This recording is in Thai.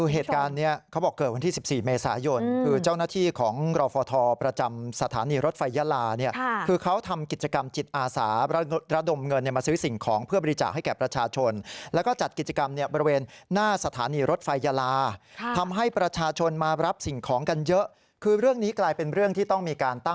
เหตุการณ์เนี้ยเขาบอกเกิดวันที่๑๔เมษายนคือเจ้าหน้าที่ของรฟทประจำสถานีรถไฟยาลาเนี่ยคือเขาทำกิจกรรมจิตอาสาระดมเงินเนี่ยมาซื้อสิ่งของเพื่อบริจาคให้แก่ประชาชนแล้วก็จัดกิจกรรมเนี่ยบริเวณหน้าสถานีรถไฟยาลาทำให้ประชาชนมารับสิ่งของกันเยอะคือเรื่องนี้กลายเป็นเรื่องที่ต้องมีการต